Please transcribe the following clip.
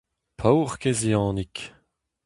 Paourkaezh Yannig !